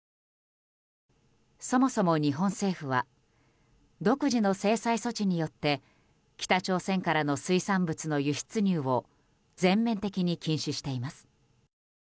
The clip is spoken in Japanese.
そもそも日本政府は独自の制裁措置によって北朝鮮からの水産物の輸出入を全面的に禁止しています。